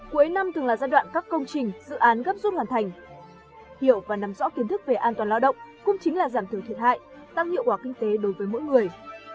cuối năm thường là giai đoạn các công trình dự án gấp rút hoàn thành hiểu và nắm rõ kiến thức về an toàn lao động cũng chính là giảm thiểu thiệt hại tăng hiệu quả kinh tế đối với mỗi người